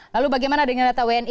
lalu bagaimana dengan data wni